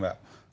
jadi begini mbak